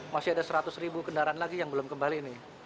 masih ada seratus ribu kendaraan lagi yang belum kembali ini